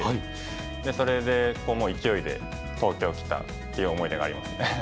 それでもう勢いで東京来たっていう思い出があります。